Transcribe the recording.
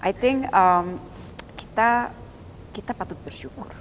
saya pikir kita patut bersyukur